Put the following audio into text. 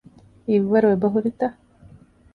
ހިތްވަރު އެބަހުރިތަ؟